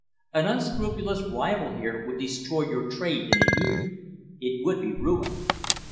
An unscrupulous rival here would destroy your trade in a year. It would be ruin.